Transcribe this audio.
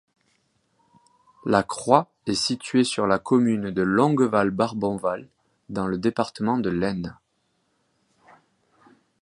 La croix est située sur la commune de Longueval-Barbonval, dans le département de l'Aisne.